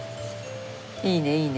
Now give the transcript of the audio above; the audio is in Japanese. いいねいいね。